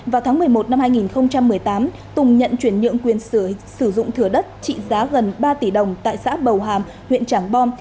vào tháng một mươi một năm hai nghìn một mươi tám tùng nhận chuyển nhượng quyền sử dụng thửa đất trị giá gần ba tỷ đồng tại xã bầu hàm huyện trảng bom